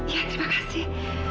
ya terima kasih